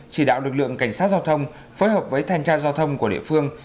chỉ đạo lực lượng cảnh sát giao thông phối hợp với thanh tra giao thông của địa phương